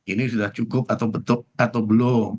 ini sudah cukup atau belum